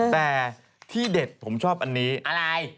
แต่ที่เด็ดผมชอบอันนี้อะไร